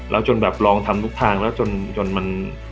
เราจนรองทำทุกทางแล้วจนมัน